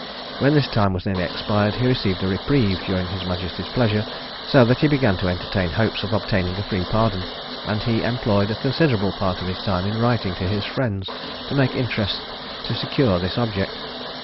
When this time was nearly expired, he received a reprieve during his majesty's pleasure; so that he began to entertain hopes of obtaining a free pardon: and he employed a considerable part of his time in writing to his friends to make interest to secure this object.